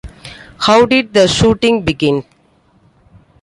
How did the shooting begin?